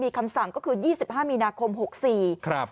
มีคำสั่งก็คือ๒๕มีนาคม๖๔ครับ